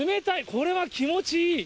これは気持ちいい。